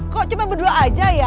kok cuma berdua aja ya